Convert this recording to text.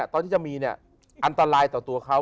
ตอนที่จะมีเนี่ยอันตรายต่อตัวเขา